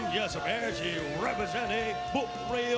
เขาคิดทำซายพวนแทก